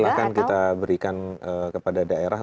silahkan kita berikan kepada daerah